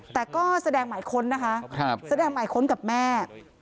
แต่ก็แสดงหมายค้นนะคะแสดงหมายค้นกับแม่